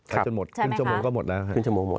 ใช่ไหมครับขึ้นชั่วโมงก็หมดแล้วครับ